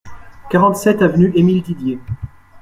quarante-sept avenue Émile Didier